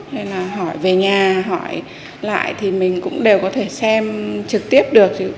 hay là hỏi về nhà hỏi lại thì mình cũng đều có thể xem trực tiếp được